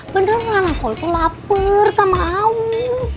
benar anakku itu lapar sama haus